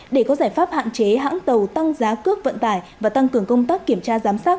để có giải pháp hạn chế hãng tàu tăng giá cước vận tải và tăng cường công tác kiểm tra giám sát